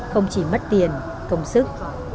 không chỉ mất tiền công sức